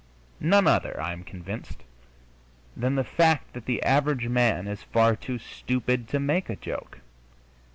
None other, I am convinced, than the fact that the average man is far too stupid to make a joke.